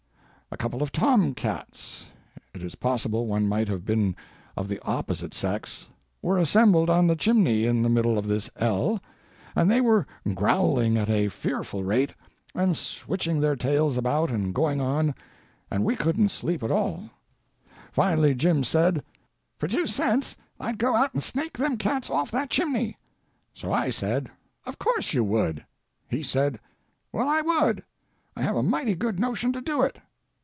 A couple of tom cats—it is possible one might have been of the opposite sex—were assembled on the chimney in the middle of this ell, and they were growling at a fearful rate, and switching their tails about and going on, and we couldn't sleep at all. Finally Jim said, "For two cents I'd go out and snake them cats off that chimney." So I said, "Of course you would." He said, "Well, I would; I have a mighty good notion to do it."